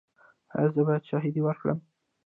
ایا زه باید شاهدي ورکړم؟